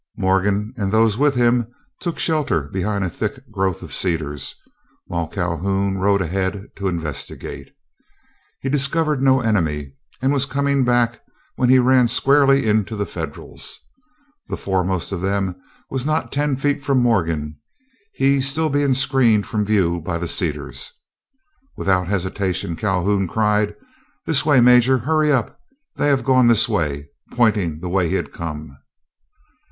Morgan and those with him took shelter behind a thick growth of cedars, while Calhoun rode ahead to investigate. He discovered no enemy and was coming back when he ran squarely into the Federals. The foremost of them were not ten feet from Morgan, he still being screened from view by the cedars. Without hesitation, Calhoun cried, "This way, Major. Hurry up, they have gone this way," pointing the way he had come.